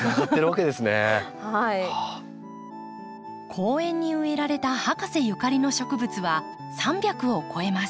公園に植えられた博士ゆかりの植物は３００を超えます。